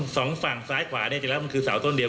สองฝั่งซ้ายกว่านี้คือเสาต้นเดียว